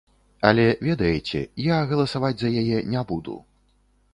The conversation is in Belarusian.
Але ведаеце, я галасаваць за яе не буду.